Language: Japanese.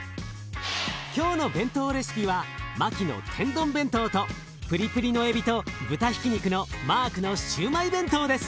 今日のＢＥＮＴＯレシピはマキの天丼弁当とプリプリのエビと豚ひき肉のマークのシューマイ弁当です。